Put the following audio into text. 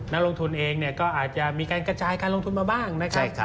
นักลงทุนเองเนี่ยก็อาจจะมีการกระจายการลงทุนมาบ้างนะครับ